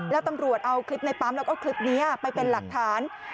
แล้วตำรวจเอาคลิปในปั๊มแล้วก็คลิปนี้ไปเป็นหลักฐาน